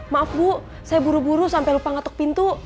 maaf bu saya buru buru sampe lupa ketok pintu